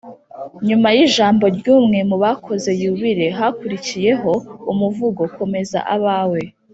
nyuma y’ijambo ry’umwe mu bakoze yubile, hakurikiyeho umuvugo « komeza abawe »